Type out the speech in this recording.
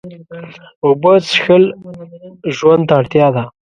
اوبه څښل ژوند ته اړتیا ده